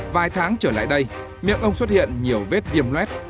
vài tháng trở lại đây miệng ông xuất hiện nhiều vết viêm luet